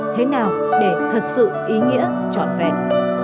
thế nào để thật sự ý nghĩa trọn vẹn